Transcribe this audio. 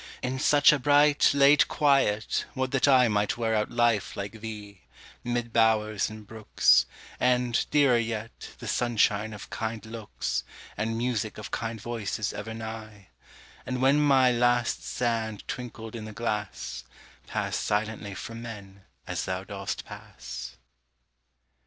In such a bright, late quiet, would that I Might wear out life like thee, mid bowers and brooks, And, dearer yet, the sunshine of kind looks, And music of kind voices ever nigh; And when my last sand twinkled in the glass, Pass silently from men, as thou dost pass.